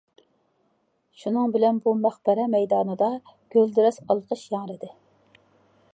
شۇنىڭ بىلەن بۇ مەقبەرە مەيدانىدا گۈلدۈراس ئالقىش ياڭرىدى.